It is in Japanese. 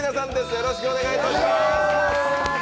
よろしくお願いします。